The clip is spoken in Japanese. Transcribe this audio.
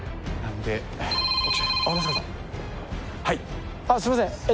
はい。